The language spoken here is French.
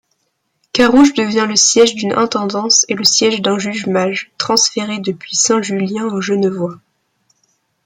Carouge devient le siège d'une intendance et le siège d'un juge-mage, transféré depuis Saint-Julien-en-Genevois.